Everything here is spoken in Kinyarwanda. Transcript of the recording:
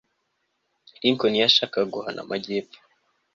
lincoln ntiyashakaga guhana amajyepfo